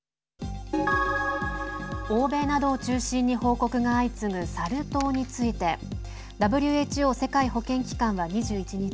欧米などを中心に報告が相次ぐサル痘についてＷＨＯ＝世界保健機関は２１日